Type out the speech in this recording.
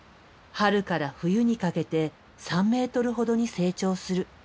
春から冬にかけて３メートルほどに成長する。